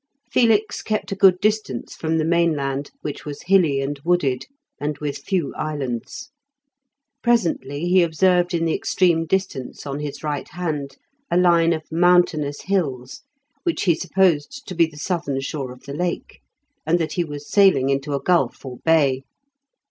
Felix kept a good distance from the mainland, which was hilly and wooded, and with few islands. Presently he observed in the extreme distance, on his right hand, a line of mountainous hills, which he supposed to be the southern shore of the Lake, and that he was sailing into a gulf or bay.